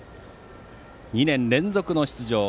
２年連続の出場